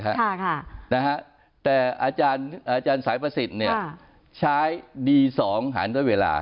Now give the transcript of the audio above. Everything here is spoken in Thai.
ค่ะค่ะนะฮะแต่อาจารย์สายประสิทธิ์เนี่ยใช้ดีสองหารด้วยเวลา